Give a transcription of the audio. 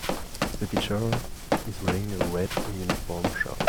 The pitcher is wearing a red uniform shirt